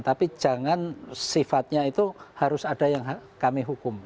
tapi jangan sifatnya itu harus ada yang kami hukum